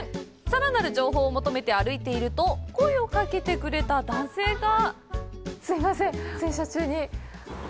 さらなる情報を求めて歩いていると声をかけてくれた男性が。